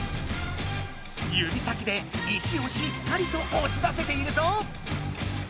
指先で石をしっかりとおし出せているぞ！